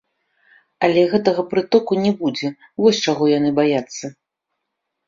Але гэтага прытоку не будзе, вось чаго яны баяцца.